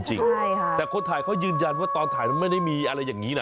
ใช่ค่ะแต่คนถ่ายเขายืนยันว่าตอนถ่ายไม่ได้มีอะไรอย่างนี้นะ